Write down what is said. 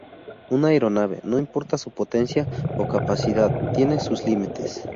Una aeronave, no importa su potencia o capacidad tiene sus límites.